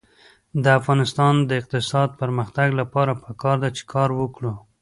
د افغانستان د اقتصادي پرمختګ لپاره پکار ده چې کار وکړو.